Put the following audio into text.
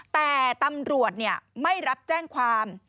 แต่ตำรวจไม่รับแจ้งความ